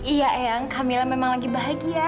iya eyang kamilah memang lagi bahagia sekali